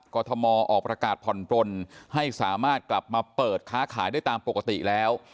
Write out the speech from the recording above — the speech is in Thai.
กรทมออกประกาศผ่อนปลนให้สามารถกลับมาเปิดค้าขายได้ตามปกติแล้ว